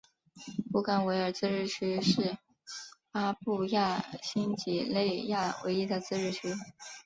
布干维尔自治区是巴布亚新几内亚唯一的自治区。